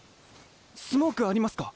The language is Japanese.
スモークありますか？